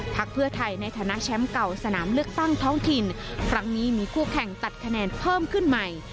เพื่อไทยในฐานะแชมป์เก่าสนามเลือกตั้งท้องถิ่นครั้งนี้มีคู่แข่งตัดคะแนนเพิ่มขึ้นใหม่